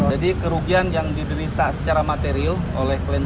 jadi kerugian yang diderita secara material oleh kliennya